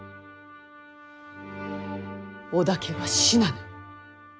織田家は死なぬ。